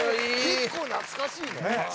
結構懐かしいね。